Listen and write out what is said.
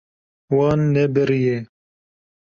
Wan nebiriye.